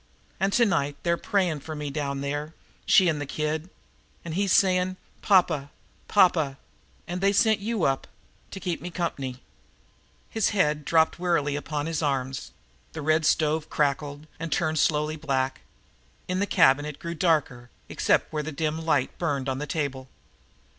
"An' to night they're prayin' for me down there she 'n the kid an' he's sayin', 'Pa pa Pa pa'; an' they sent you up to keep me comp'ny " His head dropped wearily upon his arms. The red stove crackled, and turned slowly black. In the cabin it grew darker, except where the dim light burned on the table.